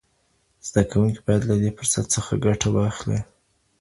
زده کوونکي باید له دې فرصت څخه ګټه واخلي.